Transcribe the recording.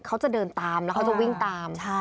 เขาจะเดินตามแล้วเขาจะวิ่งตาม